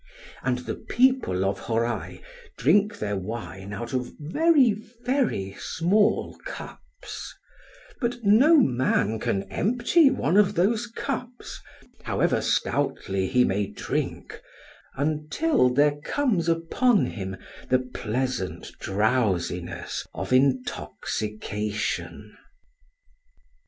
And the people of Hōrai drink their wine out of very, very small cups; but no man can empty one of those cups,—however stoutly he may drink,—until there comes upon him the pleasant drowsiness of intoxication.